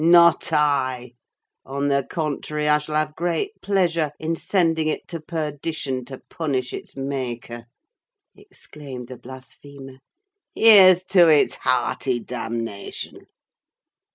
"Not I! On the contrary, I shall have great pleasure in sending it to perdition to punish its Maker," exclaimed the blasphemer. "Here's to its hearty damnation!"